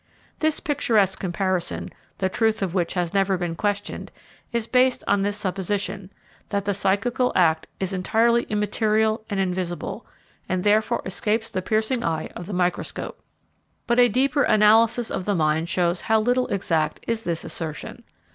This picturesque comparison, the truth of which has never been questioned, is based on this supposition, that the psychical act is entirely immaterial and invisible, and therefore escapes the piercing eye of the microscope. But a deeper analysis of the mind shows how little exact is this assertion.